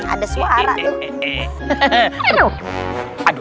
ada suara tuh